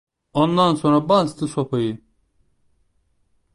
Ondan sonra bastı sopayı…